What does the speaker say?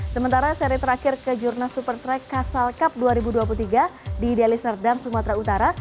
sementara seri terakhir kejurnas supertrack castle cup dua ribu dua puluh tiga di deli serdam sumatera utara